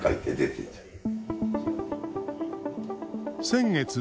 先月